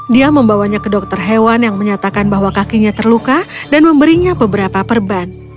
dia membawanya ke dokter hewan yang menyatakan bahwa kakinya terluka dan memberinya beberapa perban